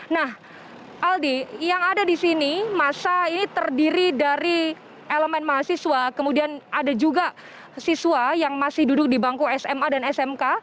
nah aldi yang ada di sini masa ini terdiri dari elemen mahasiswa kemudian ada juga siswa yang masih duduk di bangku sma dan smk